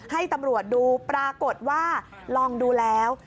ให้ตำรวจดูปรากฏว่าลองดูแล้ว